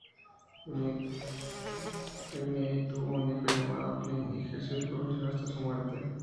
Bill McKinney tuvo un hijo llamado Clint y ejerció su profesión hasta su muerte.